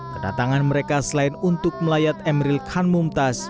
kedatangan mereka selain untuk melayat emeril khan mumtaz